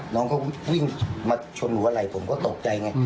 น้องเขาวิ่งมาชนหัวไหล่ผมก็ตกใจไง